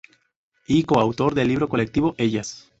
Y coautor del libro colectivo "Ellas.